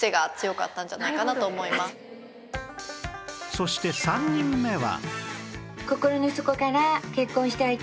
そして３人目は